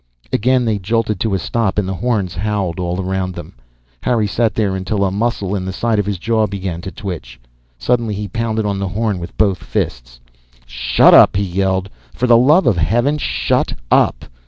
Again they jolted to a stop and the horns howled all around them. Harry sat there until a muscle in the side of his jaw began to twitch. Suddenly he pounded on the horn with both fists. "Shut up!" he yelled. "For the love of Heaven, shut up!"